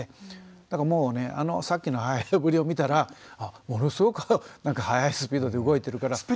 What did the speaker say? だからもうねさっきのハイハイぶりを見たらものすごく速いスピードで動いてるから。